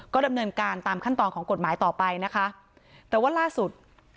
ดำเนินการตามขั้นตอนของกฎหมายต่อไปนะคะแต่ว่าล่าสุด